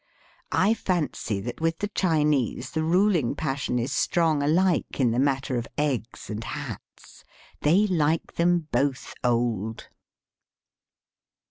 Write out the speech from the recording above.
I fancy that with the Chinese the ruling passion is strong alike in the matter of eggs and hats. They like them both old.